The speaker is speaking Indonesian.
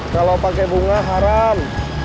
kalau pakai bunga haram